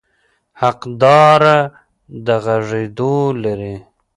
حقداره د غږېدو لري.